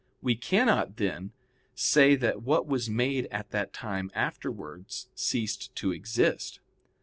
We cannot, then, say that what was made at that time afterwards ceased to exist.